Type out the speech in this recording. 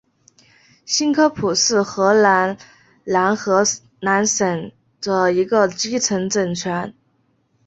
新科普是荷兰南荷兰省的一个基层政权。